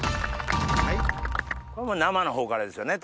これもう生の方からですよね？